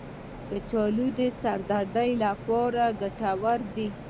کچالو د سر درد لپاره ګټور دی.